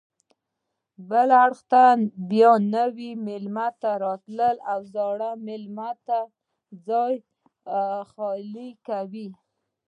بل اړخ ته بیا نوي میلمانه راتلل او زړو میلمنو ځای خالي کاوه.